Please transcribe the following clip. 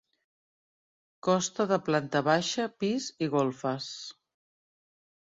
Costa de planta baixa, pis i golfes.